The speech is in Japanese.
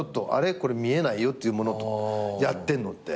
これ見えないよっていうものとやってんのって。